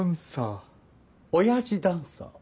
おやじダンサー。